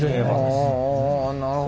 なるほど。